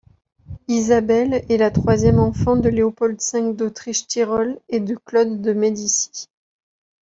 Isabelle est la troisième enfant de Léopold V d'Autriche-Tyrol et de Claude de Médicis.